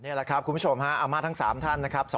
นี่แหละครับคุณผู้ชมฮะอาม่าทั้ง๓ท่านนะครับ